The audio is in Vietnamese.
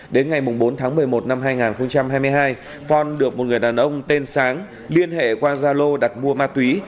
đến ngày bốn tháng một mươi một năm hai nghìn hai mươi hai phong được một người đàn ông tên sáng liên hệ qua gia lô đặt mua ma túy